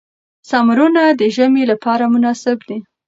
سمورونه د ژمي لپاره مناسب دي.